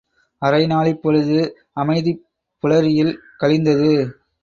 அரைநாழிப் பொழுது அமைதிப் புலரியில் கழிந்தது.